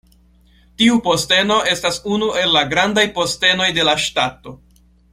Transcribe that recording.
Tiu posteno estas unu el la Grandaj Postenoj de la Ŝtato.